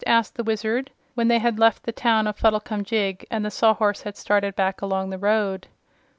asked the Wizard when they had left the town of Fuddlecumjig and the Sawhorse had started back along the road.